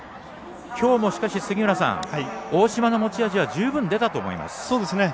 きょうも、しかし大嶋の持ち味は十分、出たと思います。